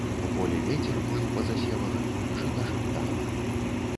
У полі вецер плыў па засевах, жыта шаптала.